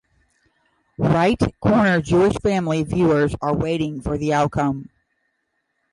Right corner Jewish family viewers are waiting for the outcome.